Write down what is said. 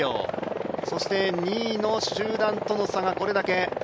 そして、２位の集団との差がこれだけ。